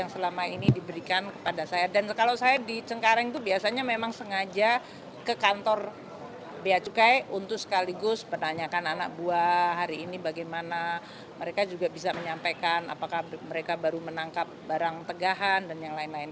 saya menyampaikan apakah mereka baru menangkap barang tegahan dan yang lain lain